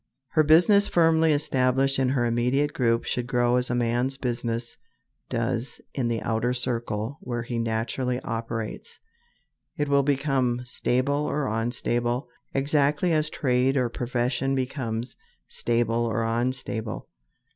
Her business firmly established in her immediate group should grow as a man's business does in the outer circle where he naturally operates. It will become stable or unstable exactly as trade or profession becomes stable or unstable.